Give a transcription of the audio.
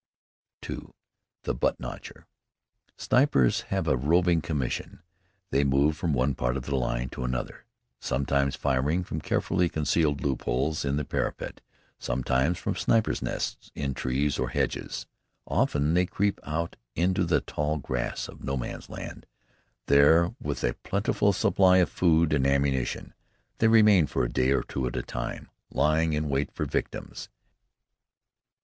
II. "THE BUTT NOTCHER" Snipers have a roving commission. They move from one part of the line to another, sometimes firing from carefully concealed loopholes in the parapet, sometimes from snipers' nests in trees or hedges. Often they creep out into the tall grass of No Man's Land. There, with a plentiful supply of food and ammunition, they remain for a day or two at a time, lying in wait for victims.